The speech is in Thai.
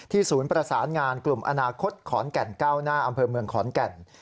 ศูนย์ประสานงานกลุ่มอนาคตขอนแก่นก้าวหน้าอำเภอเมืองขอนแก่น